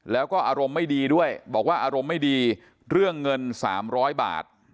แล้วก็อารมณ์ไม่ดีด้วยบอกว่าอารมณ์ไม่ดีเรื่องเงิน๓๐๐บาท